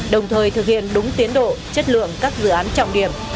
đồng thời thực hiện đúng tiến độ chất lượng các dự án trọng điểm